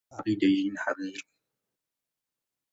به عقیدهی این حقیر